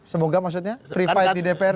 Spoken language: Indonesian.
semoga maksudnya free file di dprd